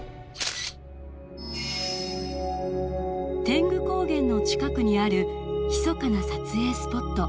天狗高原の近くにあるひそかな撮影スポット。